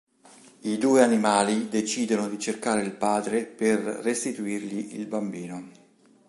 I due animali decidono di cercare il padre per restituirgli il bambino.